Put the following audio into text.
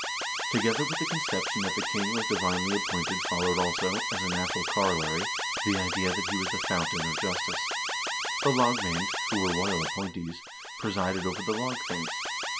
' To gether with the conception that the king was divinely appointed followed also, as a natural corollary, the idea that he was the foun tain of justice. The lagmcBnd, who were royal appointees, presided over the lagthings.